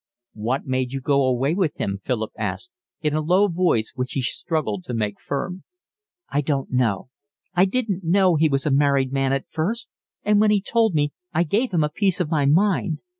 "What made you go away with him?" Philip asked, in a low voice which he struggled to make firm. "I don't know. I didn't know he was a married man at first, and when he told me I gave him a piece of my mind.